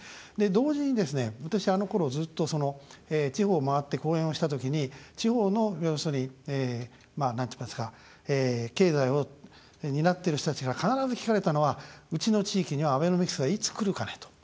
同時に私、あのころずっと地方を回って講演をしたときに地方の要するになんといいますか経済を担っている人たちから必ず聞かれたのはうちの地域にはアベノミクスはいつくるかね？と。